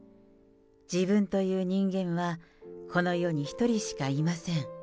自分という人間はこの世に一人しかいません。